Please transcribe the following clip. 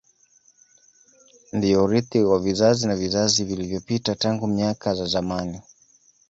Ndiyo urithi wa vizazi na vizazi vilivyopita tangu miaka za zamani